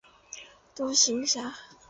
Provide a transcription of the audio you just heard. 独行侠。